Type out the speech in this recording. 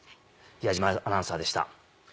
矢島アナウンサーでした。